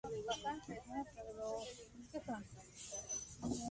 Antes de Ames, las Orchidaceae estaban muy poco estudiadas y clasificadas.